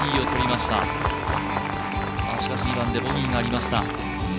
しかし２番でボギーがありました。